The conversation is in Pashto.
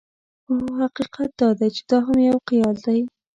خو حقیقت دا دی چې دا هم یو خیال دی.